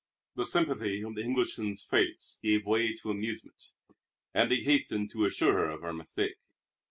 The sympathy of the Englishman's face gave way to amusement, and he hastened to assure her of her mistake.